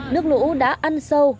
nước lũ đã ăn sâu